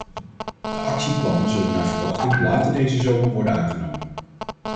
De actieplannen zullen naar verwachting later deze zomer worden aangenomen.